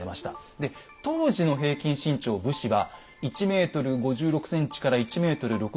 で当時の平均身長武士は１ｍ５６ｃｍから１ｍ６７ｃｍなんですって。